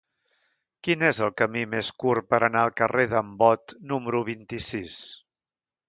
Quin és el camí més curt per anar al carrer d'en Bot número vint-i-sis?